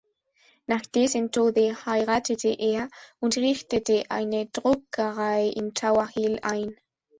Nach dessen Tode heiratete er und richtete eine Druckerei in Tower Hill ein.